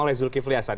oleh zulkifli hasan